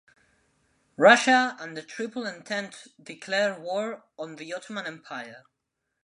Russia and the Triple Entente declared war on the Ottoman Empire.